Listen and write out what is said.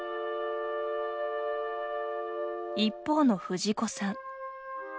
一方の藤子さん。